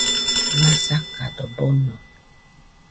Masakado bono